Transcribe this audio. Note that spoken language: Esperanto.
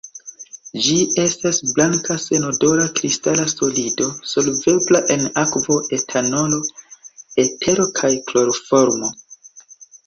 Ĝi estas blanka senodora kristala solido, solvebla en akvo, etanolo, etero kaj kloroformo.